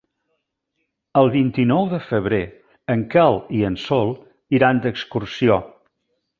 El vint-i-nou de febrer en Quel i en Sol iran d'excursió.